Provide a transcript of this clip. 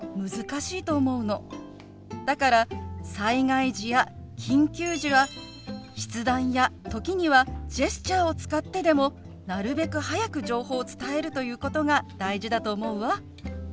だから災害時や緊急時は筆談や時にはジェスチャーを使ってでもなるべく早く情報を伝えるということが大事だと思うわ。